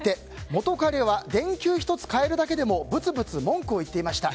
元カレは電球１つ変えるだけでもぶつぶつ文句を言っていました。